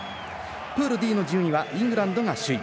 プールＤの順位はイングランドが首位。